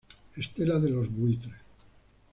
Estela de los Buitres.